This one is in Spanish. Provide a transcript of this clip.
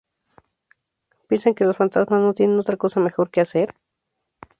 ¿Piensan que los fantasmas no tienen otra cosa mejor que hacer?